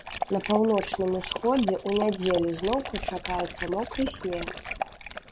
На паўночным усходзе ў нядзелю зноўку чакаецца мокры снег.